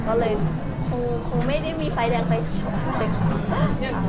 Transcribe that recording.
ก็เลยคงไม่ได้มีไฟแดงไฟเขียว